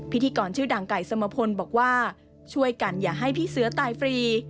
พิธีกรชื่อดังไก่สมพลบอกว่าช่วยกันอย่าให้พี่เสือตายฟรี